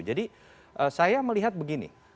jadi saya melihat begini